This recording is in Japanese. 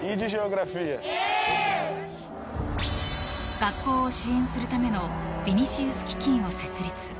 学校を支援するためのヴィニシウス基金を設立。